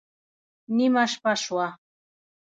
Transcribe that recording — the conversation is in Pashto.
نېمه شپه شوه